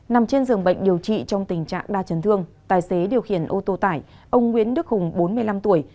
nằm trên giường bệnh điều trị trong tình trạng đa chấn thương tài xế điều khiển ô tô tải ông nguyễn đức hùng bốn mươi năm tuổi